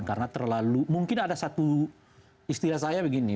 karena terlalu mungkin ada satu istilah saya begini